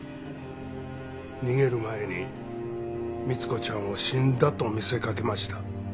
逃げる前に光子ちゃんを死んだと見せかけました？